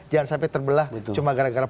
jangan sampai terbelah cuma gara gara